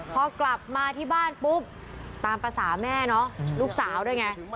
พอกลับมาที่บ้านปุ๊บตามภาษาแม่เนาะลูกสาวด้วยไง